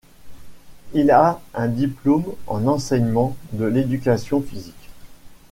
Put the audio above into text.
Il a un diplôme en enseignement de l'éducation physique.